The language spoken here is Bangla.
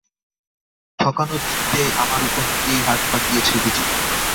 ঠকানো বিদ্যেয় আমার উপর দিয়েই হাত পাকিয়েছ বুঝি?